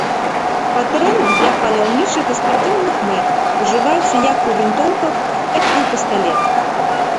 Патрон для паляўнічых і спартыўных мэт, ужываецца як у вінтоўках, так і ў пісталетах.